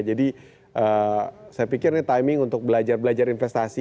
jadi saya pikir ini timing untuk belajar belajar investasi